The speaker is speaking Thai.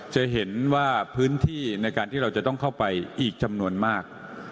จะเห็นว่าพื้นที่ในการที่เราจะต้องเข้าไปอีกจำนวนมาก